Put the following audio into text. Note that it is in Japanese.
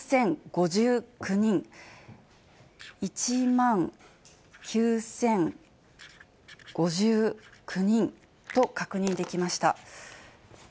１万９０５９人と確認できました。